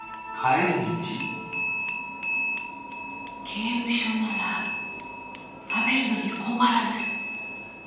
刑務所なら食べるのに困らない。